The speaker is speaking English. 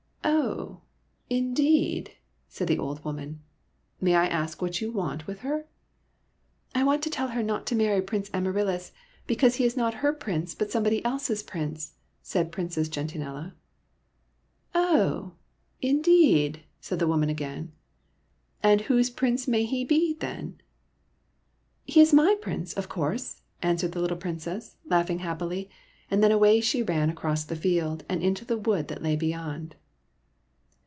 " Oh, indeed !" said the old woman. '' May I ask what you want with her ?"" I want to tell her not to marry Prince Amaryllis, because he is not her Prince but somebody else's Prince," said Princess Gen tianella. '* Oh, indeed !" said the old woman again. " And whose Prince may he be, then ?"" He is my Prince, of course !" answered the little Princess, laughing happily ; and then away she ran across the field, and into the wood that lay beyond.